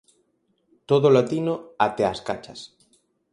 Todo latino até as cachas.